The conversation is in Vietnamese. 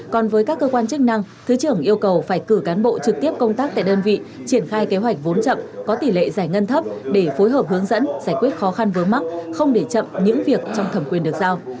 còn với các cơ quan chức năng thứ trưởng yêu cầu phải cử cán bộ trực tiếp công tác tại đơn vị triển khai kế hoạch vốn chậm có tỷ lệ giải ngân thấp để phối hợp hướng dẫn giải quyết khó khăn vướng mắc không để chậm những việc trong thẩm quyền được giao